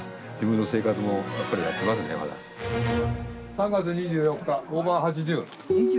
３月２４日、オーバー８０。